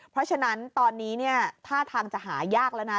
เพราะฉะนั้นตอนนี้เนี่ยท่าทางจะหายากแล้วนะ